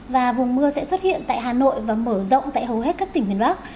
và vùng mưa sẽ xuất hiện tại hà nội và mở rộng tại hầu hết các tỉnh miền bắc